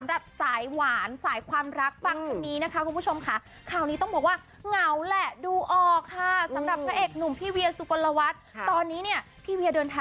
สำหรับสายหวานสายความรักฟังมีนะครับคุณผู้ชมค่ะเข้าที่ต้องบอกว่า